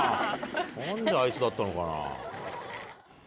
何であいつだったのかな。